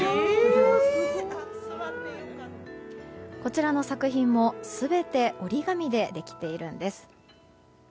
こちらの作品も全て折り紙でできているんです。